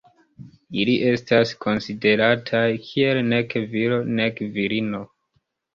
Ili estas konsiderataj kiel nek viro nek virino.